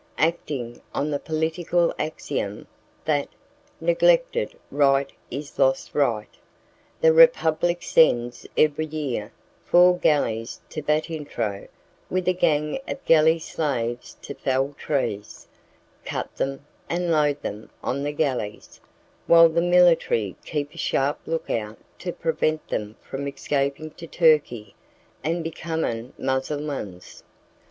Acting on the political axiom that "neglected right is lost right," the Republic sends every year four galleys to Butintro with a gang of galley slaves to fell trees, cut them, and load them on the galleys, while the military keep a sharp look out to prevent them from escaping to Turkey and becoming Mussulmans.